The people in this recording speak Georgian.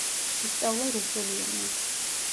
ისწავლა რუსული ენა.